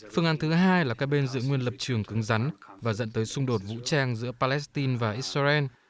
phương án thứ hai là các bên giữ nguyên lập trường cứng rắn và dẫn tới xung đột vũ trang giữa palestine và israel